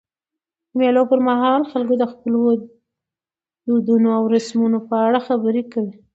د مېلو پر مهال خلک د خپلو دودونو او رسمونو په اړه خبري کوي.